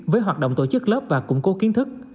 với hoạt động tổ chức lớp và củng cố kiến thức